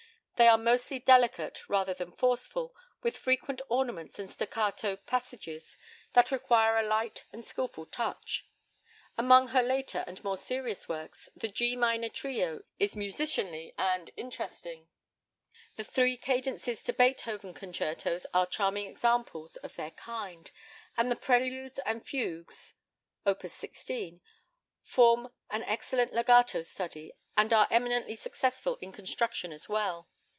They are mostly delicate rather than forceful, with frequent ornaments and staccato passages that require a light and skilful touch. Among her later and more serious works, the G minor trio is musicianly and interesting; the three cadences to Beethoven concertos are charming examples of their kind, and the preludes and fugues (Op. 16) form an excellent legato study, and are eminently successful in construction as well.